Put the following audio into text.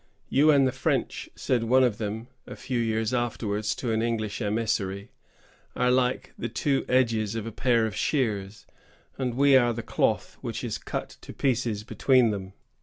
"You and the French," said one of them, a few years afterwards, to an English emissary, "are like the two edges of a pair of shears, and we are the cloth which is cut to pieces between them."